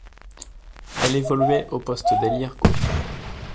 Elle évoluait au poste d'ailière gauche.